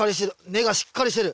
根がしっかりしてる。